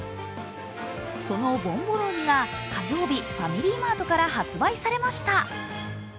そのボンボローニが火曜日、ファミリーマートから発売されました。